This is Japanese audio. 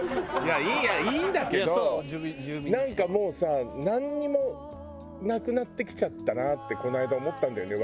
いやいいんだけどなんかもうさなんにもなくなってきちゃったなってこの間思ったんだよね